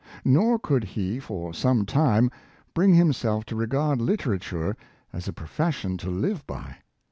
Nor could he, for some time, bring himself to regard literature as a profession to live by.